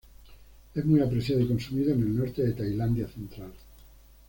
Es muy apreciado y consumido en el norte de Tailandia central.